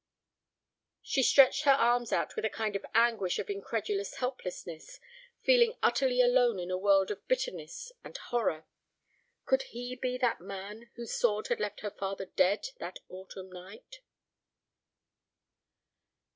She stretched her arms out with a kind of anguish of incredulous helplessness, feeling utterly alone in a world of bitterness and horror. Could he be that man whose sword had left her father dead that autumn night?